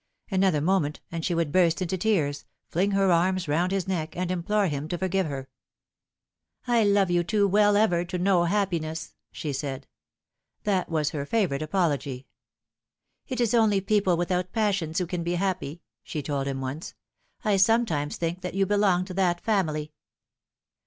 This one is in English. Another moment and she would burst into tears, fling her arms round his neck, and implore him to for give her. " I love you too well ever to know happiness," she said. That was her favourite apology. " It is only people without passions who can be happy," she told him once. " I sometimes think that you belong to that family."